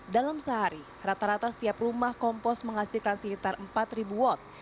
dalam sehari rata rata setiap rumah kompos menghasilkan sekitar empat watt